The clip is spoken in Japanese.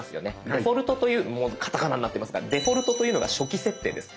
デフォルトというカタカナになってますがデフォルトというのが初期設定です。